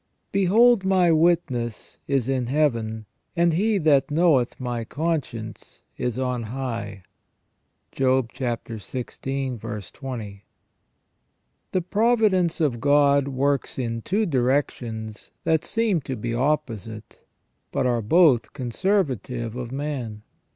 Behold my witness is in Heaven, and He that knoweth my conscience is on high." — Job xvi. 20. THE providence of God works in two directions that seem to be opposite, but are both conservative of man.